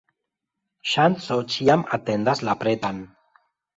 Ŝanco ĉiam atendas la pretan.